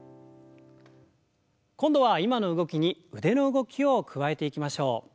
今度は今の動きに腕の動きを加えていきましょう。